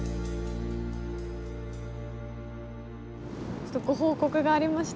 ちょっとご報告がありまして。